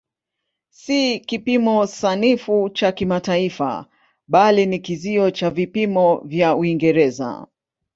Si kipimo sanifu cha kimataifa bali ni kizio cha vipimo vya Uingereza.